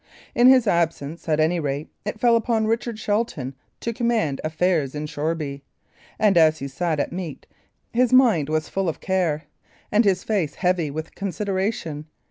In his absence, at any rate, it fell upon Richard Shelton to command affairs in Shoreby; and, as he sat at meat, his mind was full of care, and his face heavy with consideration.